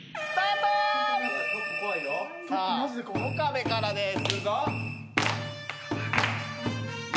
さあ岡部からです。